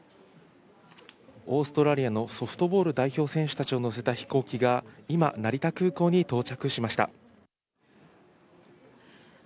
オーストラリアのソフトボール代表選手たちを乗せた飛行機が今、成田空港に到着しました。